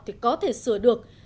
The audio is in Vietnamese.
thì có thể sửa được